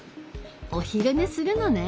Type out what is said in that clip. お昼寝するのね！